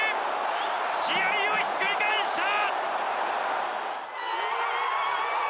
試合をひっくり返した！